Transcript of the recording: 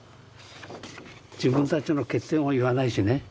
自分たちの欠点を言わないしね。